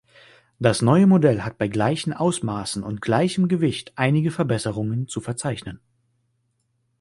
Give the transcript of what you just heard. Das neue Modell hat bei gleichen Ausmaßen und gleichem Gewicht einige Verbesserungen zu verzeichnen.